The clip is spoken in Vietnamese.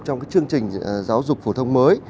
trong chương trình giáo dục phổ thông mới